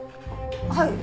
はい。